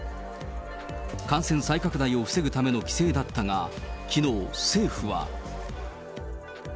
感染再拡大を防ぐための規制だったが、きのう、政府は。